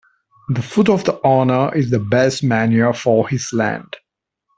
The foot of the owner is the best manure for his land.